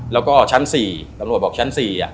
แล้วก็ชั้น๔ตำรวจบอกชั้น๔